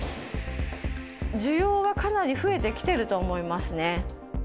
需要はかなり増えてきてると思いますね。